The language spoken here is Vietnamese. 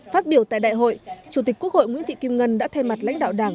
phát biểu tại đại hội chủ tịch quốc hội nguyễn thị kim ngân đã thay mặt lãnh đạo đảng